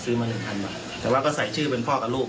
ซื้อมา๑๐๐๐บาทแต่ว่าก็ใส่ชื่อเป็นพ่อกับลูก